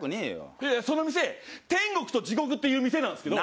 その店、天国と地獄っていう店なんですけど。